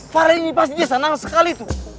farel ini pasti dia senang sekali tuh